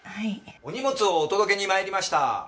お荷物をお届けに参りました。